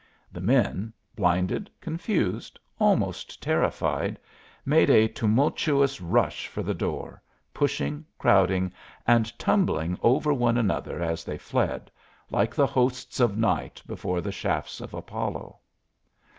The men, blinded, confused, almost terrified, made a tumultuous rush for the door, pushing, crowding, and tumbling over one another as they fled, like the hosts of Night before the shafts of Apollo.